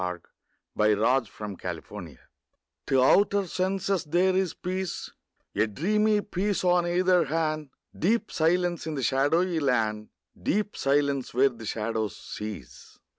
fi4S] II LA FUITE DE LA LUNE TO outer senses there is peace, A dreamy peace on either hand, Deep silence in the shadowy land, Deep silence where the shadows cease.